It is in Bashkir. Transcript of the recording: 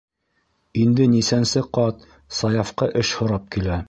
Инде нисәнсе ҡат Саяфҡа эш һорап килә.